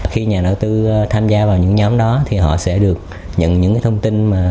khi nhà đầu tư tham gia vào những nhóm đó thì họ sẽ được nhận những thông tin